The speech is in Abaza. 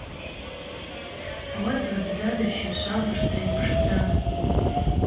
Ауат рбзазаща швабыжта йпшдзан.